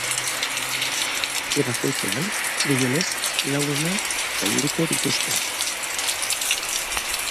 Etxe bakoitzean, gehienez, lau ume zainduko dituzte.